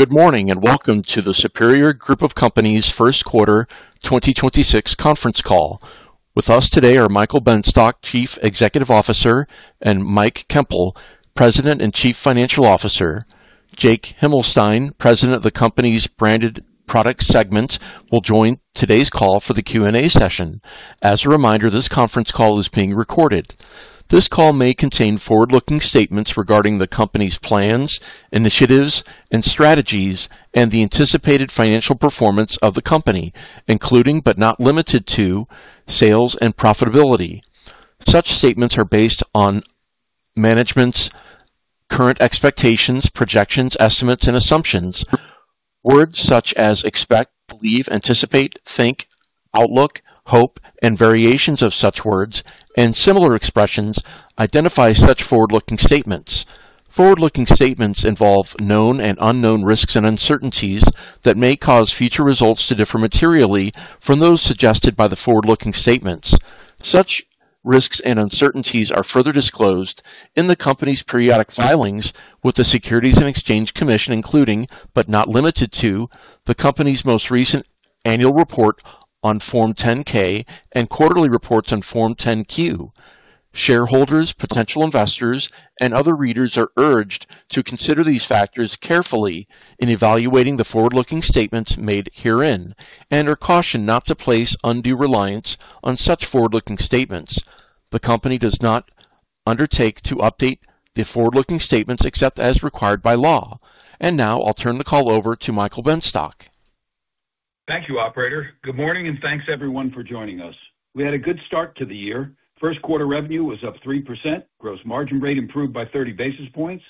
Good morning, welcome to the Superior Group of Companies First Quarter 2026 Conference Call. With us today are Michael Benstock, Chief Executive Officer, and Mike Koempel, President and Chief Financial Officer. Jake Himelstein, President of the company's Branded Products segment, will join today's call for the Q&A session. As a reminder, this conference call is being recorded. This call may contain forward-looking statements regarding the company's plans, initiatives, and strategies and the anticipated financial performance of the company, including but not limited to sales and profitability. Such statements are based on management's current expectations, projections, estimates, and assumptions. Words such as expect, believe, anticipate, think, outlook, hope, and variations of such words and similar expressions identify such forward-looking statements. Forward-looking statements involve known and unknown risks and uncertainties that may cause future results to differ materially from those suggested by the forward-looking statements. Such risks and uncertainties are further disclosed in the company's periodic filings with the Securities and Exchange Commission, including, but not limited to, the company's most recent annual report on Form 10-K and quarterly reports on Form 10-Q. Shareholders, potential investors, and other readers are urged to consider these factors carefully in evaluating the forward-looking statements made herein and are cautioned not to place undue reliance on such forward-looking statements. The company does not undertake to update the forward-looking statements except as required by law. Now I'll turn the call over to Michael Benstock. Thank you, operator. Good morning, and thanks, everyone, for joining us. We had a good start to the year. First quarter revenue was up 3%. Gross margin rate improved by 30 basis points.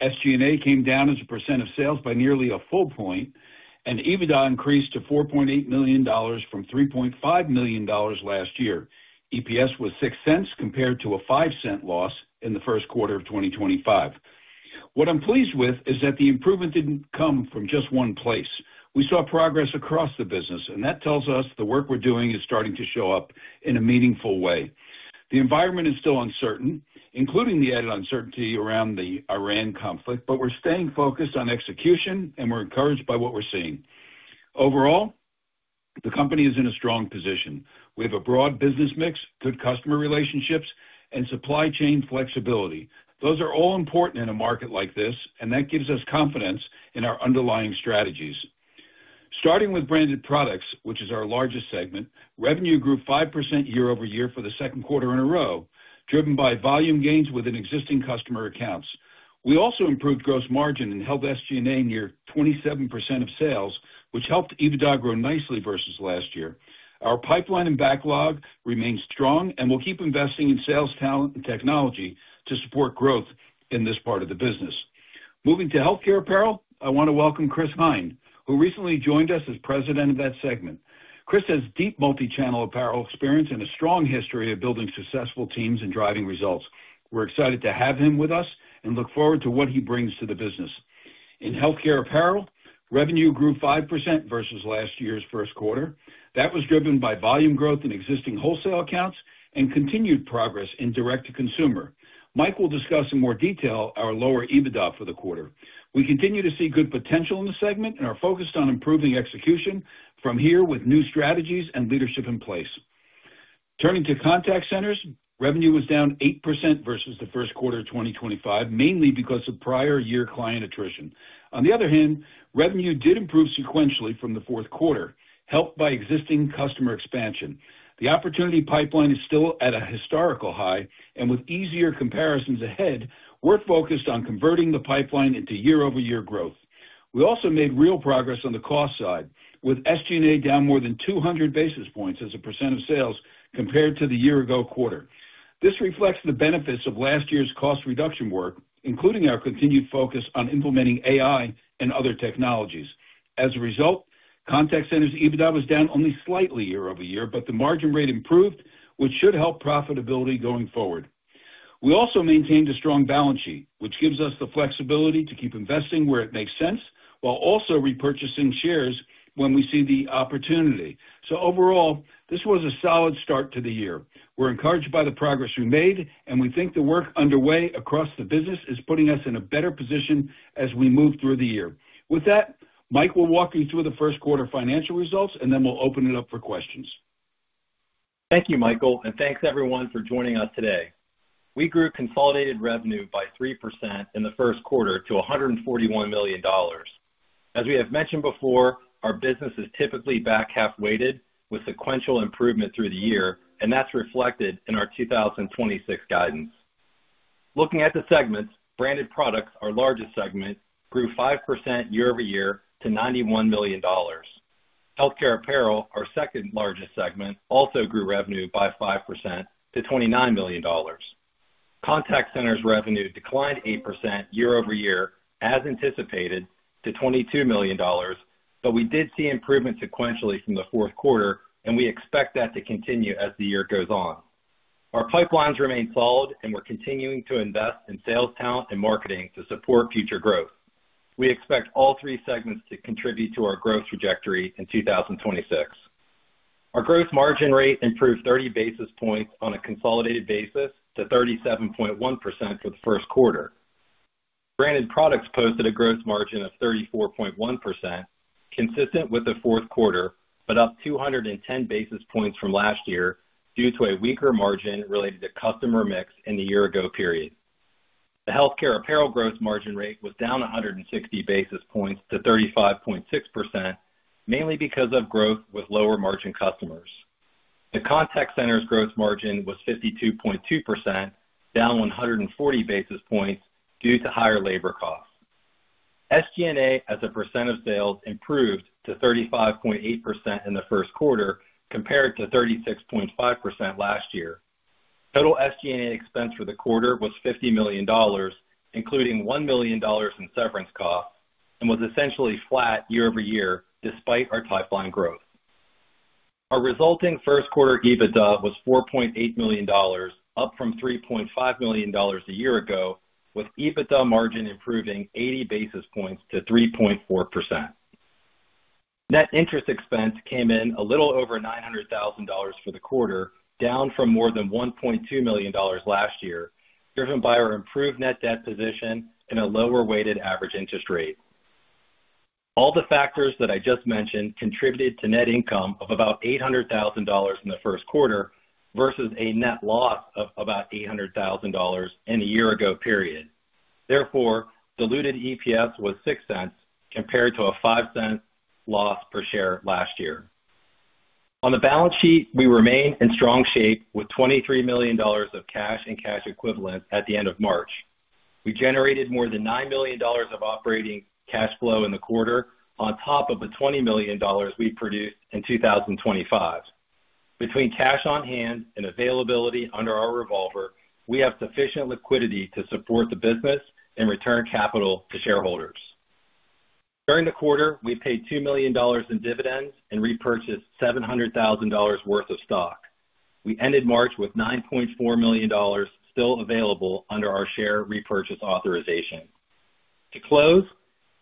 SG&A came down as a percent of sales by nearly a full point, and EBITDA increased to $4.8 million from $3.5 million last year. EPS was $0.06 compared to a $0.05 loss in the first quarter of 2025. What I'm pleased with is that the improvement didn't come from just one place. We saw progress across the business, and that tells us the work we're doing is starting to show up in a meaningful way. The environment is still uncertain, including the added uncertainty around the Iran conflict, but we're staying focused on execution, and we're encouraged by what we're seeing. Overall, the company is in a strong position. We have a broad business mix, good customer relationships, and supply chain flexibility. Those are all important in a market like this, and that gives us confidence in our underlying strategies. Starting with Branded Products, which is our largest segment, revenue grew 5% year-over-year for the second quarter in a row, driven by volume gains within existing customer accounts. We also improved gross margin and held SG&A near 27% of sales, which helped EBITDA grow nicely versus last year. Our pipeline and backlog remains strong, and we'll keep investing in sales talent and technology to support growth in this part of the business. Moving to Healthcare Apparel, I want to welcome Chris Hein, who recently joined us as President of that segment. Chris has deep multi-channel apparel experience and a strong history of building successful teams and driving results. We're excited to have him with us and look forward to what he brings to the business. In Healthcare Apparel, revenue grew 5% versus last year's first quarter. That was driven by volume growth in existing wholesale accounts and continued progress in direct-to-consumer. Mike will discuss in more detail our lower EBITDA for the quarter. We continue to see good potential in the segment and are focused on improving execution from here with new strategies and leadership in place. Turning to Contact Centers, revenue was down 8% versus the first quarter of 2025, mainly because of prior year client attrition. On the other hand, revenue did improve sequentially from the fourth quarter, helped by existing customer expansion. The opportunity pipeline is still at a historical high, and with easier comparisons ahead, we're focused on converting the pipeline into year-over-year growth. We also made real progress on the cost side, with SG&A down more than 200 basis points as a percent of sales compared to the year-ago quarter. This reflects the benefits of last year's cost reduction work, including our continued focus on implementing AI and other technologies. As a result, Contact Centers' EBITDA was down only slightly year-over-year, but the margin rate improved, which should help profitability going forward. We also maintained a strong balance sheet, which gives us the flexibility to keep investing where it makes sense while also repurchasing shares when we see the opportunity. Overall, this was a solid start to the year. We're encouraged by the progress we made, and we think the work underway across the business is putting us in a better position as we move through the year. With that, Mike will walk you through the first quarter financial results, and then we'll open it up for questions. Thank you, Michael, and thanks everyone for joining us today. We grew consolidated revenue by 3% in the first quarter to $141 million. As we have mentioned before, our business is typically back half weighted with sequential improvement through the year, and that's reflected in our 2026 guidance. Looking at the segments, Branded Products, our largest segment, grew 5% year-over-year to $91 million. Healthcare Apparel, our second-largest segment, also grew revenue by 5% to $29 million. Contact Centers revenue declined 8% year-over-year as anticipated to $22 million, but we did see improvement sequentially from the fourth quarter, and we expect that to continue as the year goes on. Our pipelines remain solid, and we're continuing to invest in sales talent and marketing to support future growth. We expect all three segments to contribute to our growth trajectory in 2026. Our gross margin rate improved 30 basis points on a consolidated basis to 37.1% for the first quarter. Branded Products posted a gross margin of 34.1%, consistent with the fourth quarter, but up 210 basis points from last year due to a weaker margin related to customer mix in the year ago period. The Healthcare Apparel gross margin rate was down 160 basis points to 35.6%, mainly because of growth with lower margin customers. The Contact Centers gross margin was 52.2%, down 140 basis points due to higher labor costs. SG&A as a percent of sales improved to 35.8% in the first quarter, compared to 36.5% last year. Total SG&A expense for the quarter was $50 million, including $1 million in severance costs, and was essentially flat year-over-year despite our top line growth. Our resulting first quarter EBITDA was $4.8 million, up from $3.5 million a year ago, with EBITDA margin improving 80 basis points to 3.4%. Net interest expense came in a little over $900,000 for the quarter, down from more than $1.2 million last year, driven by our improved net debt position and a lower weighted average interest rate. All the factors that I just mentioned contributed to net income of about $800,000 in the first quarter versus a net loss of about $800,000 in the year-ago period. Diluted EPS was $0.06 compared to a $0.05 loss per share last year. On the balance sheet, we remain in strong shape with $23 million of cash and cash equivalent at the end of March. We generated more than $9 million of operating cash flow in the quarter on top of the $20 million we produced in 2025. Between cash on hand and availability under our revolver, we have sufficient liquidity to support the business and return capital to shareholders. During the quarter, we paid $2 million in dividends and repurchased $700,000 worth of stock. We ended March with $9.4 million still available under our share repurchase authorization. To close,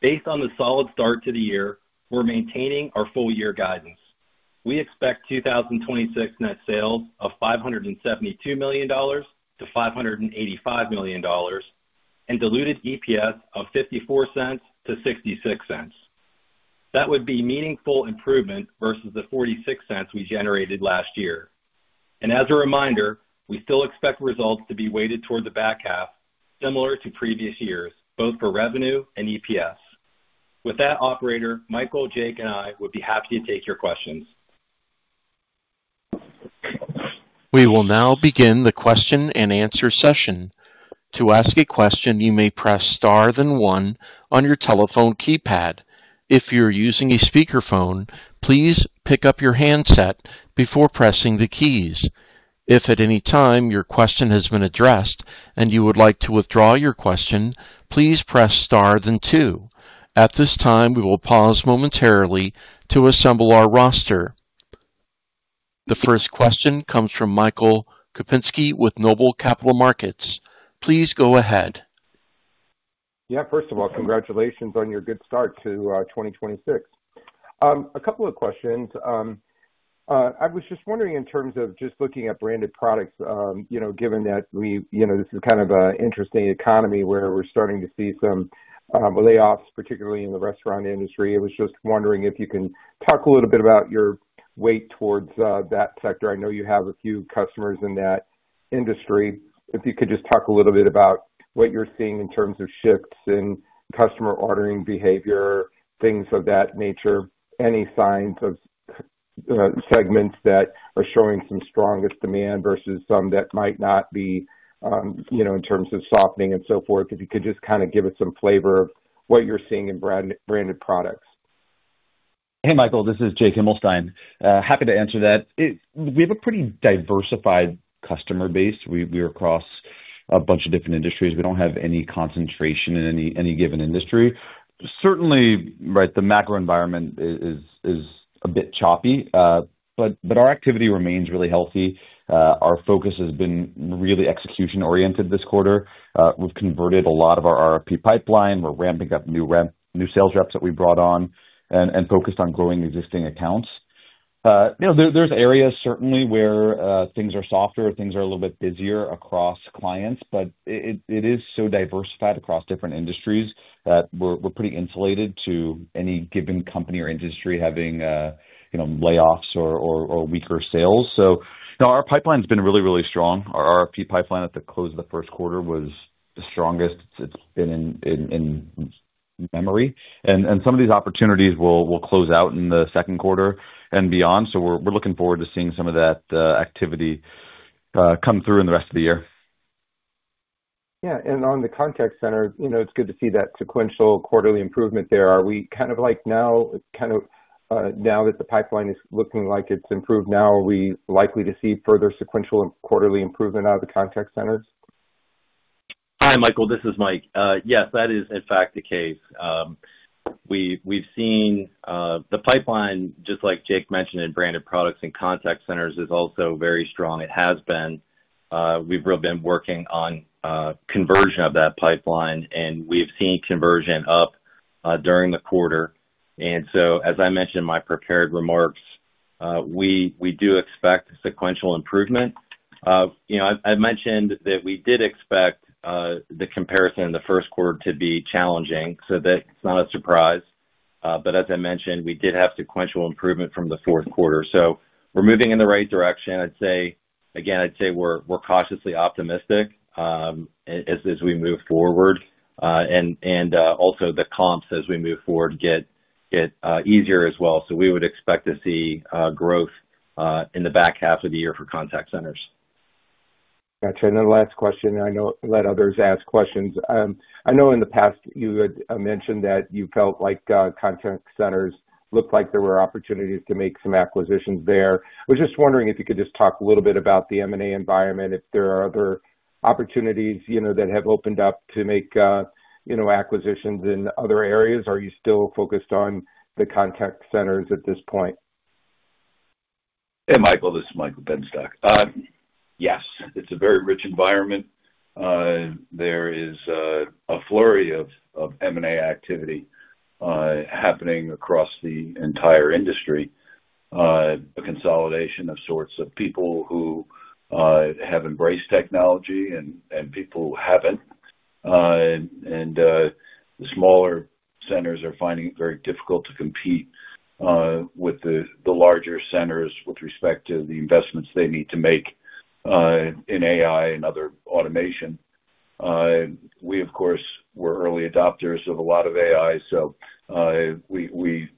based on the solid start to the year, we're maintaining our full year guidance. We expect 2026 net sales of $572 million-$585 million and diluted EPS of $0.54-$0.66. That would be meaningful improvement versus the $0.46 we generated last year. As a reminder, we still expect results to be weighted toward the back half, similar to previous years, both for revenue and EPS. With that operator, Michael, Jake, and I would be happy to take your questions. We will now begin the question-and-answer session, to ask your question you may press star then one on your telephone keypad. If you are using a speaker phone, please pick up your handset before pressing the keys. If at any time your question has been addressed and you would like to withdraw your question, please press star then two. At this time we will pause momentarily to assemble our roster. The first question comes from Michael Kupinski with Noble Capital Markets. Please go ahead. Yeah. First of all, congratulations on your good start to 2026. A couple of questions. I was just wondering in terms of just looking at Branded Products, you know, given that we, you know, this is kind of an interesting economy where we're starting to see some layoffs, particularly in the restaurant industry. I was just wondering if you can talk a little bit about your weight towards that sector. I know you have a few customers in that industry. If you could just talk a little bit about what you're seeing in terms of shifts in customer ordering behavior, things of that nature. Any signs of segments that are showing some strongest demand versus some that might not be, you know, in terms of softening and so forth. If you could just kinda give us some flavor of what you're seeing in Branded Products. Hey, Michael, this is Jake Himelstein. Happy to answer that. We have a pretty diversified customer base. We're across a bunch of different industries. We don't have any concentration in any given industry. Certainly, right, the macro environment is a bit choppy, but our activity remains really healthy. Our focus has been really execution oriented this quarter. We've converted a lot of our RFP pipeline. We're ramping up new sales reps that we brought on and focused on growing existing accounts. You know, there's areas certainly where things are softer, things are a little bit busier across clients, but it is so diversified across different industries that we're pretty insulated to any given company or industry having, you know, layoffs or weaker sales. Our pipeline's been really strong. Our RFP pipeline at the close of the first quarter was the strongest it's been in memory. Some of these opportunities will close out in the second quarter and beyond. We're looking forward to seeing some of that activity come through in the rest of the year. Yeah. On the Contact Centers, you know, it's good to see that sequential quarterly improvement there. Are we kind of like now that the pipeline is looking like it's improved now, are we likely to see further sequential quarterly improvement out of the Contact Centers? Hi, Michael. This is Mike. Yes, that is in fact the case. We've seen the pipeline, just like Jake mentioned in Branded Products and Contact Centers, is also very strong. It has been. We've really been working on conversion of that pipeline, and we've seen conversion up during the quarter. As I mentioned in my prepared remarks, we do expect sequential improvement. You know, I mentioned that we did expect the comparison in the first quarter to be challenging, so that's not a surprise. As I mentioned, we did have sequential improvement from the fourth quarter. We're moving in the right direction. I'd say again, we're cautiously optimistic as we move forward. And also the comps as we move forward get easier as well. We would expect to see growth in the back half of the year for Contact Centers. Got you. Last question, let others ask questions. I know in the past you had mentioned that you felt like Contact Centers looked like there were opportunities to make some acquisitions there. I was just wondering if you could just talk a little bit about the M&A environment, if there are other opportunities, you know, that have opened up to make, you know, acquisitions in other areas. Are you still focused on the Contact Centers at this point? Hey, Michael, this is Michael Benstock. Yes, it's a very rich environment. There is a flurry of M&A activity happening across the entire industry. A consolidation of sorts of people who have embraced technology and people who haven't. The smaller centers are finding it very difficult to compete with the larger centers with respect to the investments they need to make in AI and other automation. We, of course, we're early adopters of a lot of AI, so we're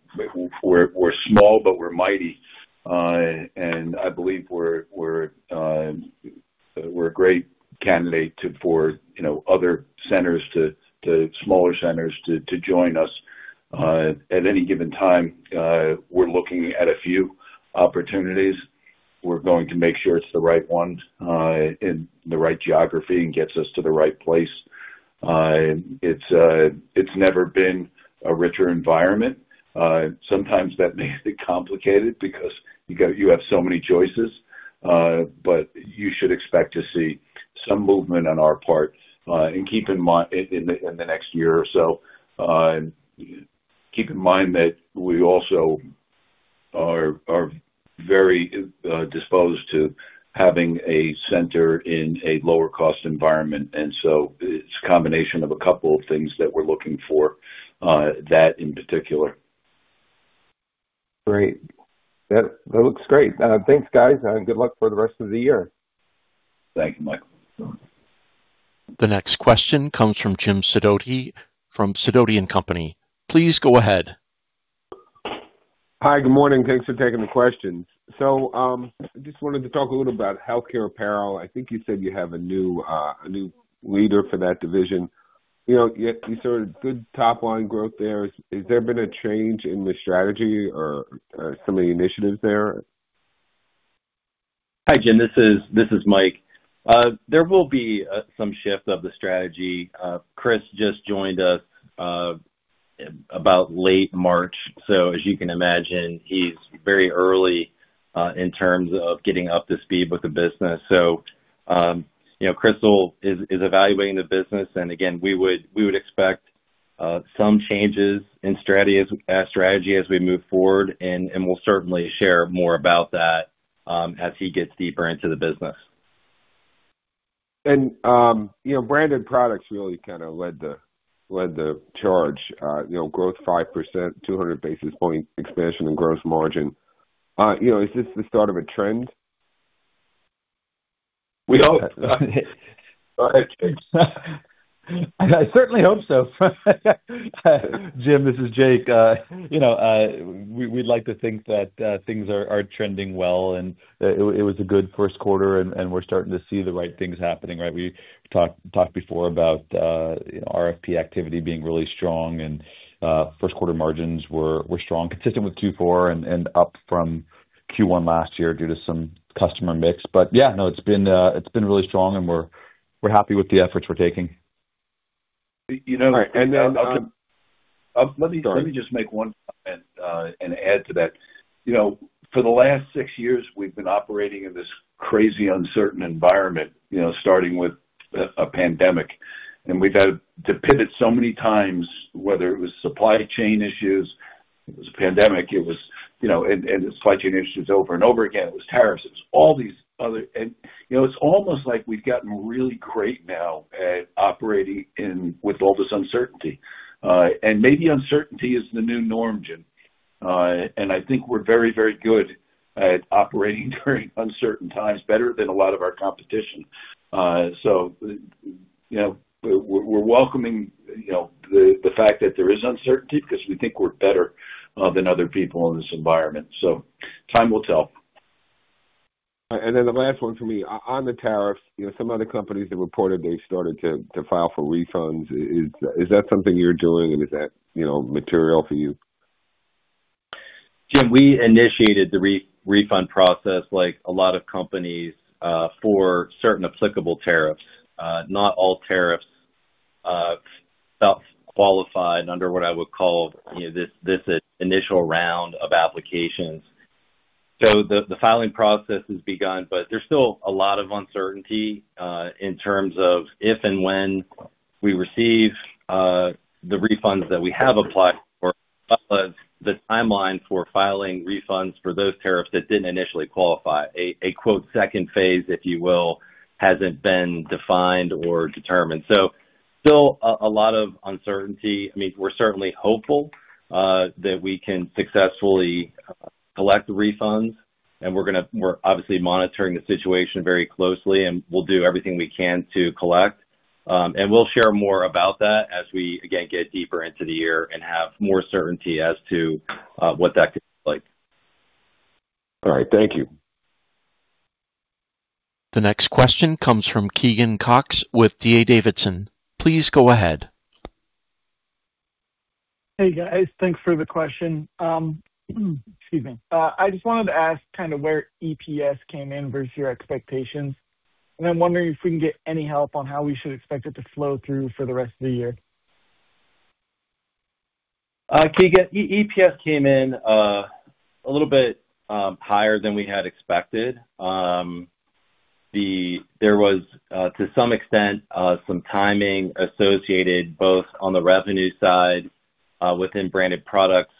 small, but we're mighty. I believe we're a great candidate for, you know, other centers to smaller centers to join us. At any given time, we're looking at a few opportunities. We're going to make sure it's the right one, in the right geography and gets us to the right place. It's never been a richer environment. Sometimes that makes it complicated because you have so many choices, but you should expect to see some movement on our part, and keep in mind in the next year or so. Keep in mind that we also are very disposed to having a center in a lower cost environment. It's a combination of a couple of things that we're looking for, that in particular. Great. That looks great. Thanks, guys, and good luck for the rest of the year. Thank you, Michael. The next question comes from Jim Sidoti from Sidoti & Company. Please go ahead. Hi. Good morning. Thanks for taking the questions. Just wanted to talk a little about Healthcare Apparel. I think you said you have a new, a new leader for that division. You know, you saw a good top line growth there. Has there been a change in the strategy or some of the initiatives there? Hi, Jim. This is Mike. There will be some shift of the strategy. Chris just joined us about late March. As you can imagine, he's very early in terms of getting up to speed with the business. You know, Chris is evaluating the business. Again, we would expect some changes in strategy as we move forward. We'll certainly share more about that as he gets deeper into the business. You know, Branded Products really kind of led the charge. You know, growth 5%, 200 basis points expansion in gross margin. You know, is this the start of a trend? We hope. Go ahead. I certainly hope so. Jim, this is Jake. You know, we'd like to think that things are trending well, and it was a good first quarter, and we're starting to see the right things happening, right? We talked before about, you know, RFP activity being really strong and first quarter margins were strong, consistent with Q4 and up from Q1 last year due to some customer mix. Yeah, no, it's been really strong, and we're happy with the efforts we're taking. You know. All right. Let me just make one comment and add to that. You know, for the last six years, we've been operating in this crazy uncertain environment, you know, starting with a pandemic. We've had to pivot so many times, whether it was supply chain issues, it was a pandemic, it was, you know, supply chain issues over and over again. It was tariffs. It was all these other. You know, it's almost like we've gotten really great now at operating with all this uncertainty. Maybe uncertainty is the new norm, Jim. I think we're very, very good at operating during uncertain times, better than a lot of our competition. You know, we're welcoming, you know, the fact that there is uncertainty because we think we're better than other people in this environment. Time will tell. The last one for me. On the tariffs, you know, some other companies have reported they started to file for refunds. Is that something you're doing and is that, you know, material for you? Jim, we initiated the re-refund process like a lot of companies, for certain applicable tariffs. Not all tariffs, qualified under what I would call, you know, this initial round of applications. The, the filing process has begun, but there's still a lot of uncertainty, in terms of if and when we receive, the refunds that we have applied for. The timeline for filing refunds for those tariffs that didn't initially qualify, a quote, second phase, if you will, hasn't been defined or determined. Still a lot of uncertainty. I mean, we're certainly hopeful, that we can successfully collect refunds and we're obviously monitoring the situation very closely, and we'll do everything we can to collect. We'll share more about that as we, again, get deeper into the year and have more certainty as to what that could look like. All right. Thank you. The next question comes from Keegan Cox with D.A. Davidson. Please go ahead. Hey, guys. Thanks for the question. excuse me. I just wanted to ask kinda where EPS came in versus your expectations? I'm wondering if we can get any help on how we should expect it to flow through for the rest of the year? Keegan, EPS came in a little bit higher than we had expected. There was, to some extent, some timing associated both on the revenue side, within Branded Products.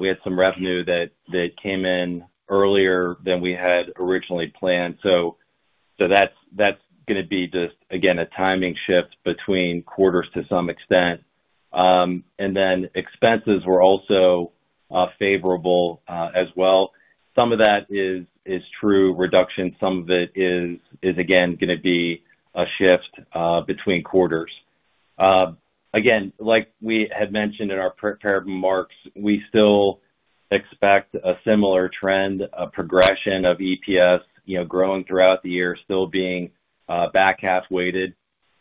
We had some revenue that came in earlier than we had originally planned. That's gonna be just, again, a timing shift between quarters to some extent. Then expenses were also favorable as well. Some of that is true reduction. Some of it is again, gonna be a shift between quarters. Again, like we had mentioned in our prepared remarks, we still expect a similar trend, a progression of EPS, you know, growing throughout the year, still being back half weighted.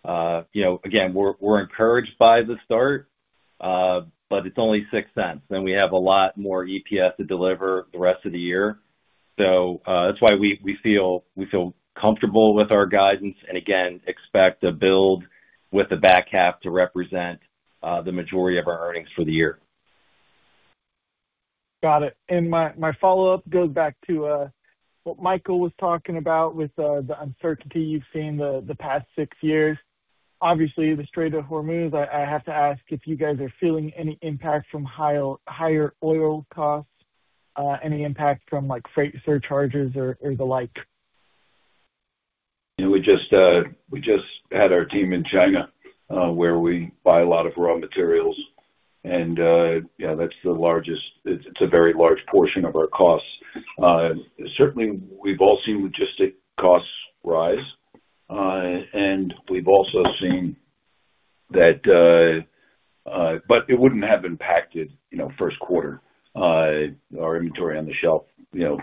You know, again, we're encouraged by the start, but it's only $0.06, and we have a lot more EPS to deliver the rest of the year. That's why we feel comfortable with our guidance, and again, expect to build with the back half to represent the majority of our earnings for the year. Got it. My follow-up goes back to what Michael was talking about with the uncertainty you've seen the past six years. Obviously, the Strait of Hormuz, I have to ask if you guys are feeling any impact from higher oil costs, any impact from like freight surcharges or the like. You know, we just, we just had our team in China, where we buy a lot of raw materials and, yeah, it's a very large portion of our costs. Certainly we've all seen logistic costs rise, and we've also seen that. It wouldn't have impacted, you know, first quarter. Our inventory on the shelf, you know,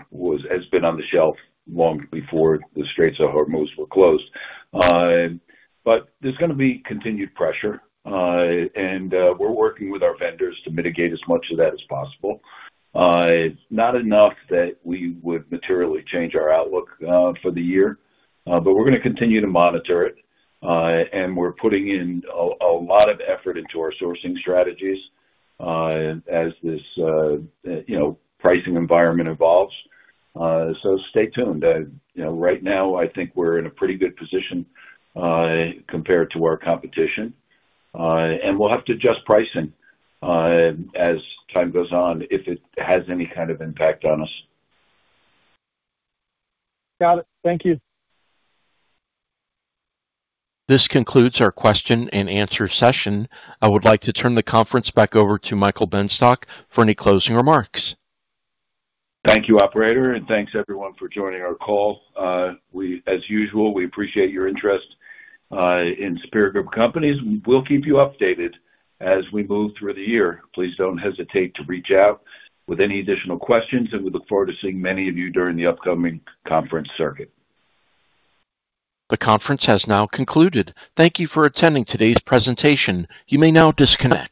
has been on the shelf long before the Straits of Hormuz were closed. There's gonna be continued pressure, and we're working with our vendors to mitigate as much of that as possible. Not enough that we would materially change our outlook for the year, we're gonna continue to monitor it, and we're putting in a lot of effort into our sourcing strategies, as this, you know, pricing environment evolves. Stay tuned. You know, right now I think we're in a pretty good position compared to our competition, and we'll have to adjust pricing as time goes on if it has any kind of impact on us. Got it. Thank you. This concludes our question and answer session. I would like to turn the conference back over to Michael Benstock for any closing remarks. Thank you, operator, and thanks everyone for joining our call. As usual, we appreciate your interest in Superior Group of Companies. We'll keep you updated as we move through the year. Please don't hesitate to reach out with any additional questions, and we look forward to seeing many of you during the upcoming conference circuit. The conference has now concluded. Thank you for attending today's presentation. You may now disconnect.